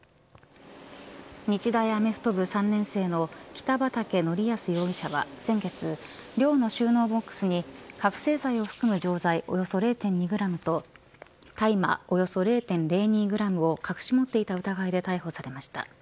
日大アメフト部３年生の北畠成文容疑者は先月寮の収納ボックスに覚せい剤を含む錠剤およそ０．２グラムと大麻およそ０．０２グラムを隠し持っていた疑いで逮捕されました。